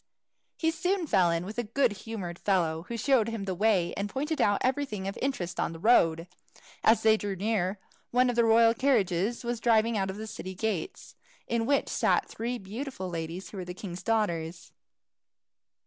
He soon fell in with a good humoured, fellow who showed him the way, and pointed out everything of interest on the road. As they drew near, one of the royal carriages was driving out of the city gates, in which sat three beautiful ladies who were the king's daughters.